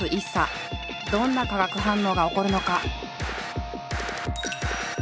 どんな化学反応が起こるのか？